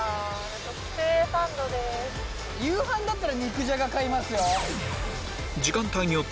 特製サンドです・夕飯だったら肉じゃが買いますよ。